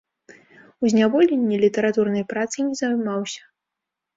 У зняволенні літаратурнай працай не займаўся.